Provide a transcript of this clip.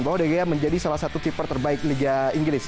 bahwa degea menjadi salah satu keeper terbaik liga inggris